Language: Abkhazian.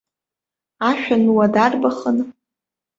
Ашәануа дарбахын?